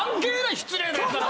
失礼なやつだな